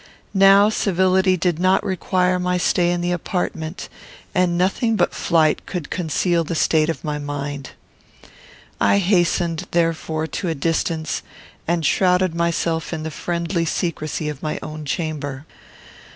Now civility did not require my stay in the apartment, and nothing but flight could conceal the state of my mind. I hastened, therefore, to a distance, and shrouded myself in the friendly secrecy of my own chamber.